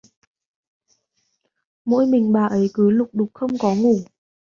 Mỗi mình bà ấy cứ lục đục không có ngủ